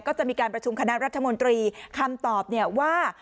ก็จะมีการประชุมคณะรัฐมนตรีคำตอบเนี่ยว่า